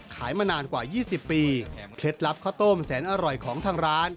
มานานกว่า๒๐ปีเคล็ดลับข้าวต้มแสนอร่อยของทางร้าน